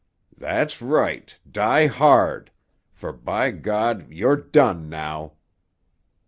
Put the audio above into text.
"That's right; die hard; for, by ——, you're done now!"